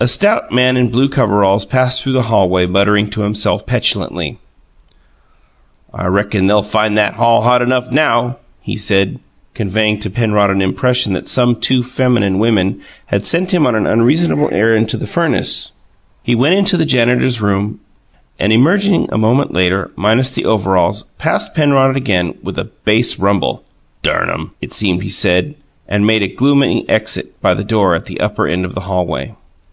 A stout man in blue overalls passed through the hallway muttering to himself petulantly. "I reckon they'll find that hall hot enough NOW!" he said, conveying to Penrod an impression that some too feminine women had sent him upon an unreasonable errand to the furnace. He went into the Janitor's Room and, emerging a moment later, minus the overalls, passed Penrod again with a bass rumble "Dern 'em!" it seemed he said and made a gloomy exit by the door at the upper end of the hallway.